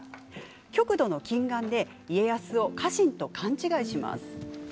極度の近眼で家康を家臣と勘違いします。